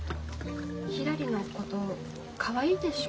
ひらりのことかわいいでしょ？